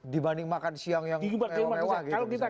dibanding makan siang yang mewah mewah gitu